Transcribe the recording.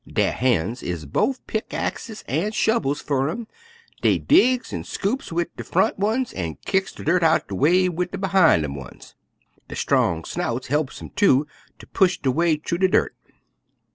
Der han's is bofe pickaxes an' shovels fer 'em; dey digs an' scoops wid der front ones an' kicks de dirt out de way wid der behime ones. Der strong snouts he'ps 'em, too, ter push der way thu de dirt."